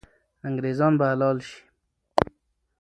انګریزان به حلال سي.